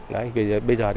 bây giờ đang trong quá trình